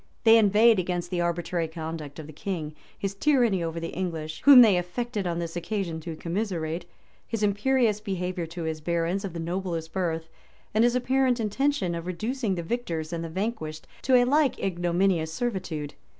They inveighed against the arbitrary conduct of the king; his tyranny over the English, whom they affected on this occasion to commiserate; his imperious behavior to his barons of the noblest birth; and his apparent intention of reducing the victors and the vanquished to a like ignominious servitude.